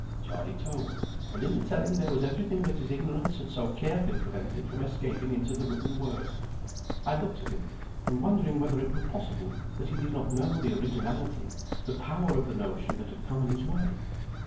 Charlie told, and in the telling there was everything that his ignorance had so carefully prevented from escaping into the written word. I looked at him, and wondering whether it were possible, that he did not know the originality, the power of the notion that had come in his way?